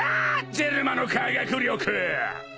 ジェルマの科学力！